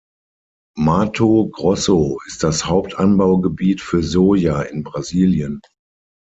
Mato Grosso ist das Hauptanbaugebiet für Soja in Brasilien.